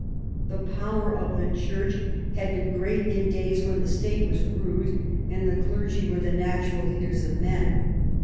The power of the Church had been great in days when the State was rude and the clergy were the natural leaders of men.